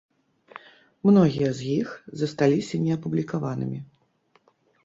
Многія з іх засталіся неапублікаванымі.